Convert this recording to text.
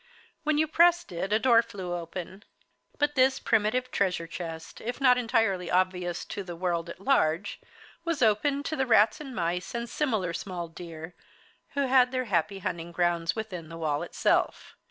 When you pressed it a door flew open. But this primitive treasure chest, if not entirely obvious to the world at large, was open to the rats and mice, and similar small deer, who had their happy hunting grounds within the wall itself.